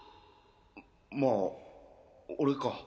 まあ俺か